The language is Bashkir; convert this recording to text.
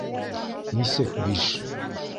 — Нисек биш?